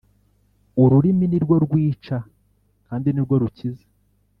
ururimi ni rwo rwica kandi ni rwo rukiza,